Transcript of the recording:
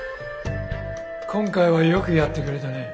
今回はよくやってくれたね。